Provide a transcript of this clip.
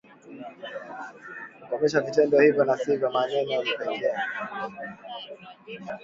kukomesha vitendo hivyo na sio maneno pekee